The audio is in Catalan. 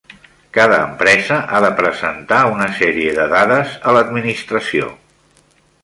Cada empresa ha de presentar una sèrie de dades a l'Administració.